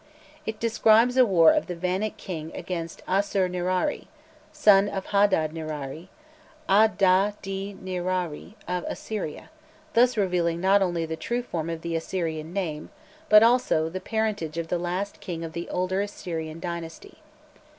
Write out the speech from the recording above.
It describes a war of the Vannic king against Assur nirari, son of Hadad nirari (A da di ni ra ri) of Assyria, thus revealing not only the true form of the Assyrian name, but also the parentage of the last king of the older Assyrian dynasty.